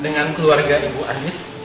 dengan keluarga ibu andis